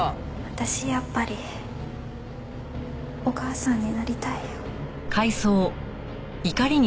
私やっぱりお母さんになりたいよ。